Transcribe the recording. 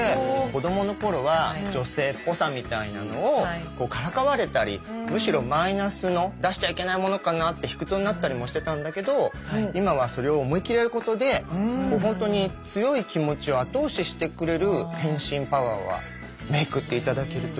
子供の頃は女性っぽさみたいなのをからかわれたりむしろマイナスの出しちゃいけないものかなって卑屈になったりもしてたんだけど今はそれを思いっきりやることでほんとに強い気持ちを後押ししてくれる変身パワーはメークって頂けると思います。